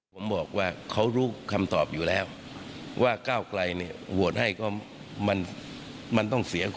ผมบอกว่าเค้ารู้คำตอบอยู่แล้วว่าก้าวกลัย